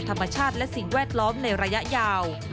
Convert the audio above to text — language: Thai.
ธรรมชาติและสิ่งแวดล้อมในระยะยาว